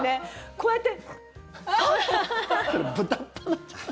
こうやって。